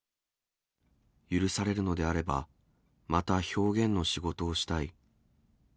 許されるのであれば、また表現の仕事をしたい。